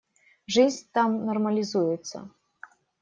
Жизнь там нормализуется.